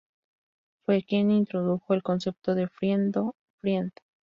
Fue quien introdujo el concepto de Friend-to-friend.